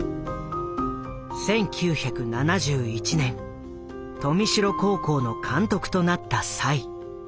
１９７１年豊見城高校の監督となった栽。